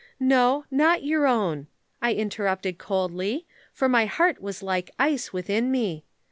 "'No, not your own,' I interrupted coldly, for my heart was like ice within me.